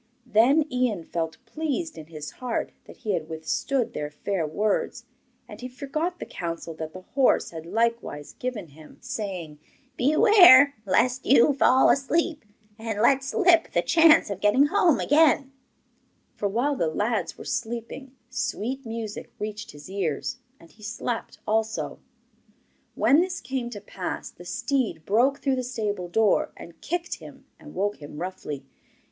Then Ian felt pleased in his heart that he had withstood their fair words, and he forgot the counsel that the horse had likewise given him saying: 'Beware lest you fall asleep, and let slip the chance of getting home again'; for while the lads were sleeping sweet music reached his ears, and he slept also. When this came to pass the steed broke through the stable door, and kicked him and woke him roughly.